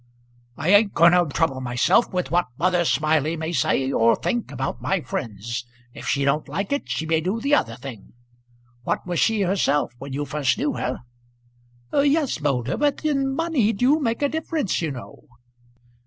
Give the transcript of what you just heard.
"I ain't going to trouble myself with what Mother Smiley may say or think about my friends. If she don't like it, she may do the other thing. What was she herself when you first knew her?" "Yes, Moulder; but then money do make a difference, you know."